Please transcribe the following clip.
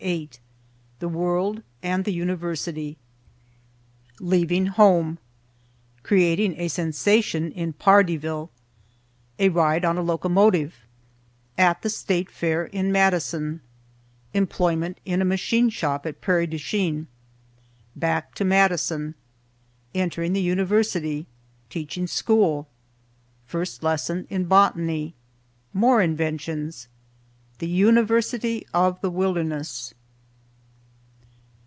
VIIIToC THE WORLD AND THE UNIVERSITY Leaving Home—Creating a Sensation in Pardeeville—A Ride on a Locomotive—At the State Fair in Madison—Employment in a Machine Shop at Prairie du Chien—Back to Madison—Entering the University—Teaching School—First Lesson in Botany—More Inventions—The University of the Wilderness.